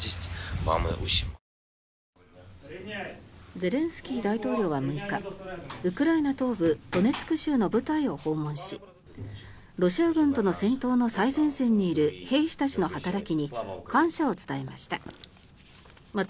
ゼレンスキー大統領は６日ウクライナ東部ドネツク州の部隊を訪問しロシア軍との戦闘の最前線にいる兵士たちの働きに感謝を伝えました。